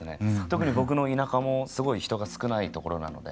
特に僕の田舎もすごい人が少ない所なので。